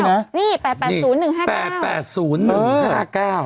นี่แปดแปดศูนย์หนึ่งห้าเก้าแปดแปดศูนย์หนึ่งห้าเก้า